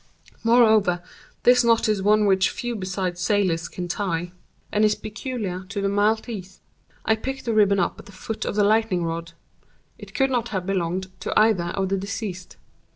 Moreover, this knot is one which few besides sailors can tie, and is peculiar to the Maltese. I picked the ribbon up at the foot of the lightning rod. It could not have belonged to either of the deceased.